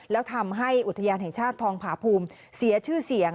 แล้วทำให้อุทยานแห่งชาติทองผาภูมิเสียชื่อเสียง